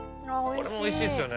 これもおいしいですよね。